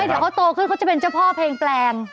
เดี๋ยวเขาโตขึ้นเขาจะเป็นเจ้าพ่อเพลงแปลง